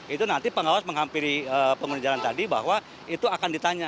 itu nanti pengawas menghampiri pengguna jalan tadi bahwa itu akan ditanya